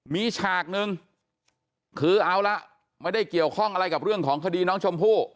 มีฉากนึงคือเอาละไม่ได้เกี่ยวข้องอะไรกับเรื่องของคดีน้องชมพู่